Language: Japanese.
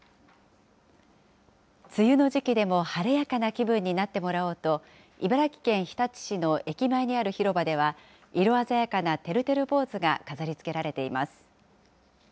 梅雨の時期でも晴れやかな気分になってもらおうと、茨城県日立市の駅前にある広場では、色鮮やかなてるてる坊主が飾りつけられています。